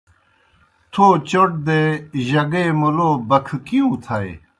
تھو چوْٹ دے جگے مُلو بکھکِیوں تھائے۔